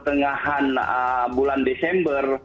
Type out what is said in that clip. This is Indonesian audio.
mulai sampai bulan desember